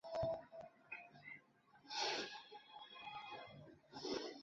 山势的雄浑与岩层的质感